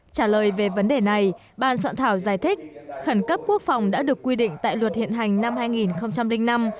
trả lời về vấn đề này ban soạn thảo giải thích khẩn cấp quốc phòng đã được quy định tại luật hiện hành năm hai nghìn năm